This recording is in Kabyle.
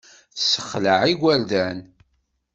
Tessexleɛ igerdan.